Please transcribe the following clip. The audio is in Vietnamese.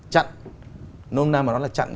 chặn nôn nam mà nói là chặn